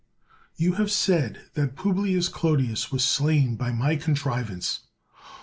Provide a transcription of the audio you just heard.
You have said that Publius Clodius was slain by my contrivance.